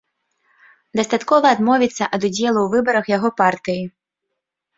Дастаткова адмовіцца ад удзелу ў выбарах яго партыі.